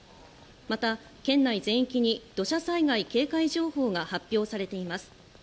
また県内全域に土砂災害警戒情報が発表されています。